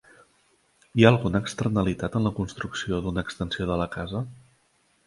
Hi ha alguna externalitat en la construcció d'una extensió de la casa?